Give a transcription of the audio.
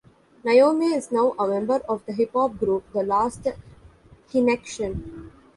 Naomi is now a member of the hip-hop group The Last Kinection.